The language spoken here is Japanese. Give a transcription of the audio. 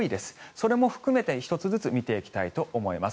それも含めて１つずつ見ていきたいと思います。